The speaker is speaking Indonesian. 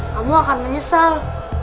kamu akan menyesal